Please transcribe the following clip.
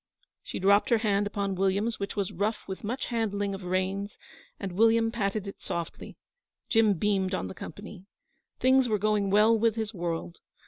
She dropped her hand upon William's, which was rough with much handling of reins, and William patted it softly. Jim beamed on the company. Things were going well with his world.